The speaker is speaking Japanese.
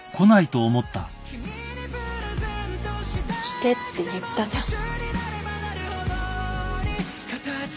来てって言ったじゃん。